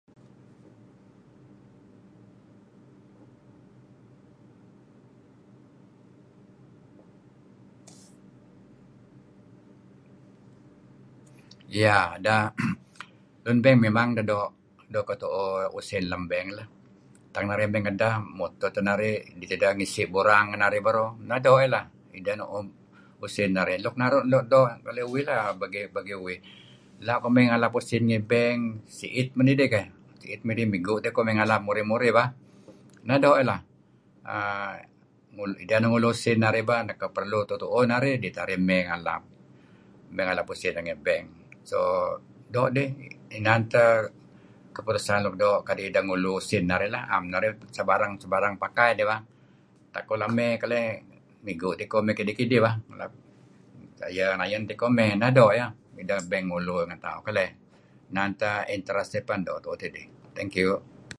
Yeh dah lun bank mimang deh doo' ketuuh usin lam bank lah. Tak narih my ngedeh mutuh teh narih kidih teh ideh ngisi' borang ngen narih beruh. Neh teh doo' iih lah. Ideh nuuh usin narih. Nuk naru' luk doo' keli uih lah bagi uih lah. Ela' iko ngalap usin lat bank, siit men idih koh migu' teh iko may ngalap murih-murih bah. Neh doo' iih bah. Ideh neh ngulu usin narih. Idan perlu tuuh-tuuh narih dih teh arih may ngalap usin ngi bank. So doo' nih inan teh keputusan luk doo kadi ideh ngulu uin narih. Naem narih sebarang pakai dih bah. Tak ko la' may keleh migu' teh iko may kidih-kidih bah. Ayen-ayen teh iko may. Neh doo' bah yah doo' bank ngen tauh keleh. Inan teh interest dih pen kineh tidih. Thank you.